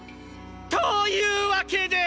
というわけで！